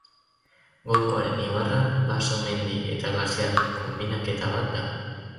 Golkoaren ibarra, baso, mendi eta glaziar konbinaketa bat da.